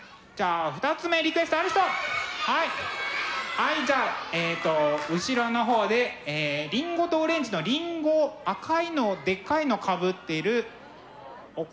はいじゃあ後ろの方で「りんごとオレンジ」のりんご赤いのをでっかいのかぶってるお子さん。